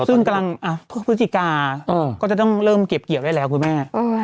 ซึ่งกำลังพฤศจิกาก็จะต้องเริ่มเก็บเกี่ยวได้แล้วคุณแม่